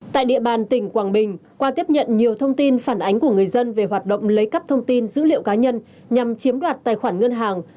tại địa bàn tỉnh quảng bình qua tiếp nhận nhiều thông tin phản ánh của người dân về hoạt động lấy cắp thông tin dữ liệu cá nhân nhằm chiếm đoạt tài khoản ngân hàng